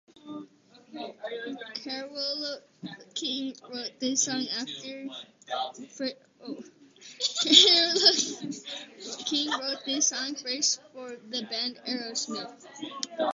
Carole King wrote this song first for the band Aerosmith.